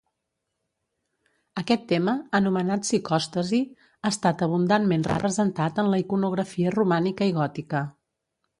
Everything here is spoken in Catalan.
Aquest tema, anomenat psicòstasi, ha estat abundantment representat en la iconografia romànica i gòtica.